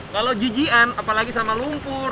kalau jijian apalagi sama lumpur